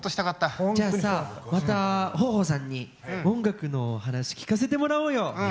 じゃあさまた豊豊さんに音楽の話聞かせてもらおうよ。